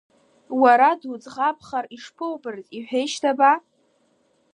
Уара дуӡӷабзар ишԥоубарыз, иҳәеишь даба?